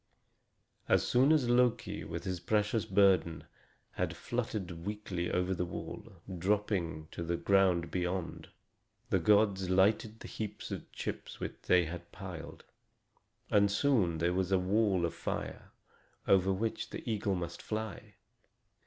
As soon as Loki, with his precious burden, had fluttered weakly over the wall, dropping to the ground beyond, the gods lighted the heaps of chips which they had piled, and soon there was a wall of fire, over which the eagle must fly.